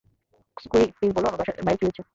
Chloe, please বলো আমার ভাইয়ের কী হয়েছে।